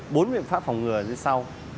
bốn biện pháp phòng ngừa như sau